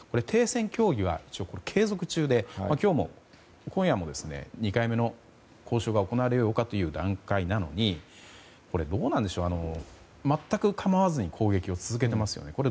停戦協議は継続中で今夜も２回目の交渉が行われようかという段階なのに、どうなんでしょう全く構わずに攻撃を続けていますよね。